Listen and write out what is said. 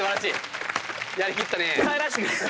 やり切ったね。